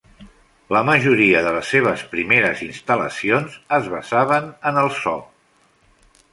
La majoria de les seves primeres instal·lacions es basaven en el so.